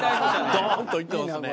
ドーンといってますね。